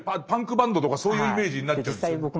パンクバンドとかそういうイメージになっちゃうんですよ。